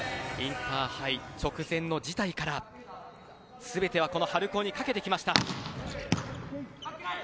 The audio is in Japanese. インターハイ直前の辞退から全てはこの春高に懸けてきました。